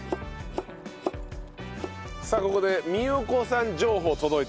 さあここで美代子さん情報届いております。